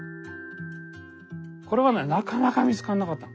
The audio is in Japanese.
これはねなかなか見つからなかったの。